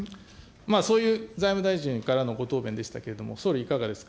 そういう財務大臣からのご答弁でしたけれども、総理、いかがですか。